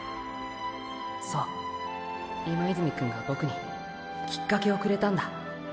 そう今泉くんがボクにきっかけをくれたんだ。